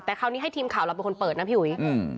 แต่คราวนี้ให้ทีมข่าวเราเป็นคนเปิดนะพี่อุ๋ยอืม